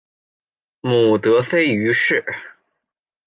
母德妃俞氏。